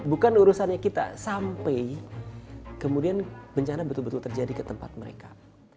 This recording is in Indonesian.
bukan urusannya kita sampai kemudian bencana betul betul terjadi ke tempat mereka